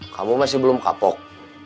kamu masih belum kapok